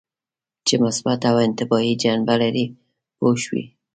چې مثبته او انتباهي جنبه لري پوه شوې!.